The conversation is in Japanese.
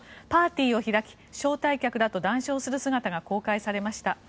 パーティーを開き招待客と談笑する姿が公開されました。